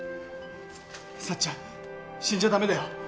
さっちゃん死んじゃ駄目だよ。